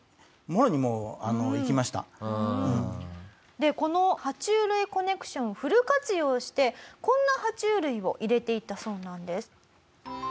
でこの爬虫類コネクションをフル活用してこんな爬虫類を入れていたそうなんです。